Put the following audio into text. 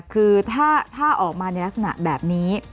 คือถ้าออกมาในลักษณะแบบนี้